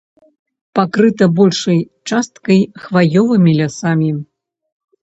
Пакрыта большай часткай хваёвымі лясамі.